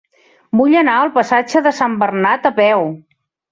Vull anar al passatge de Sant Bernat a peu.